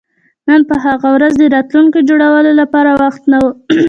نو په هغه ورځ د راتلونکي جوړولو لپاره وخت نه و